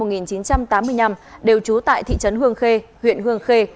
trần phát đạt sinh năm một nghìn chín trăm tám mươi năm đều trú tại thị trấn hương khê huyện hương khê